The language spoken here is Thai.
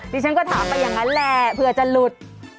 ฉันก็ถามไปอย่างนั้นแหละเผื่อจะหลุด